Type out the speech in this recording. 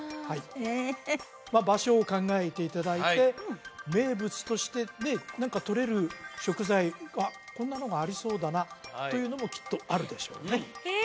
ええ場所を考えていただいて名物としてね何かとれる食材はこんなのがありそうだなというのもきっとあるでしょうねええ